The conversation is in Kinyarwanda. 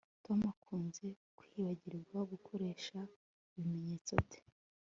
Tom akunze kwibagirwa gukoresha ibimenyetso bye